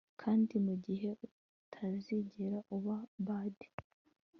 kandi mugihe utazigera uba bard